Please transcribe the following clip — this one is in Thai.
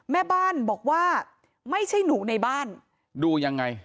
แม่บ้านบอกว่าไม่ใช่หนูในบ้านดูยังไง